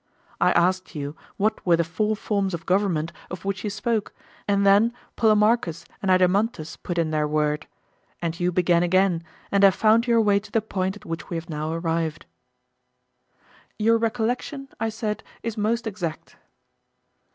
I asked you what were the four forms of government of which you spoke, and then Polemarchus and Adeimantus put in their word; and you began again, and have found your way to the point at which we have now arrived. Your recollection, I said, is most exact.